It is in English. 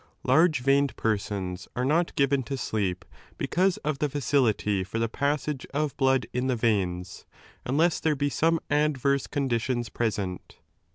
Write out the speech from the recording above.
Large veined persons are not 17 given to sleep because of the facility for the passage of blood ^ in the veins, unless there be some adverse con ditions present.